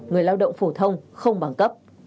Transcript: người lao động phổ thông không bằng cấp